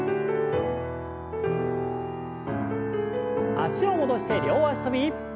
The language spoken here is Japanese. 脚を戻して両脚跳び。